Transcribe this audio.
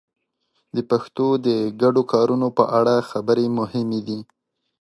د پښتو د ګډو کارونو په اړه خبرې مهمې دي.